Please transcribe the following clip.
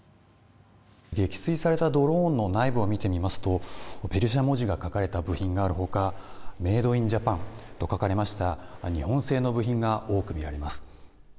撃墜されたドローンの内部を見てみますとペルシャ文字が書かれた部品があるほかメイド・イン・ジャパンと書かれました日本製の部品が多く見られます。